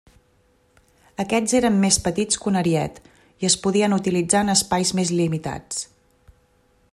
Aquests eren més petits que un ariet i es podien utilitzar en espais més limitats.